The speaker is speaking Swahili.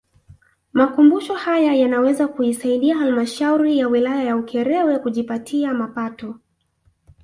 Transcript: Makumbusho haya yanaweza kuisaidia Halmashauri ya Wilaya ya Ukerewe kujipatia mapato